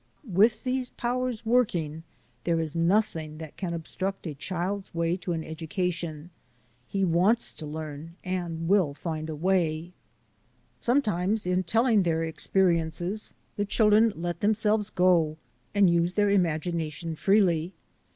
With these powers working, there is nothing that can obstruct a child's way to an education. He wants to learn and will find a way. Sometimes in telling their experiences the children let themselves go and use their imagination freely.